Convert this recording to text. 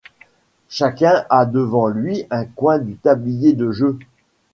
Chacun a devant lui un coin du tablier de jeu.